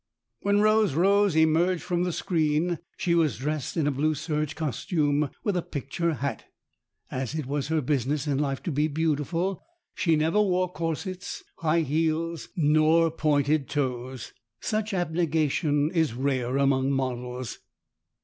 When Rose Rose emerged from the screen she was dressed in a blue serge costume, with a picture hat. As it was her business in life to be beautiful, she never wore corsets, high heels, nor pointed toes. Such abnegation is rare among models.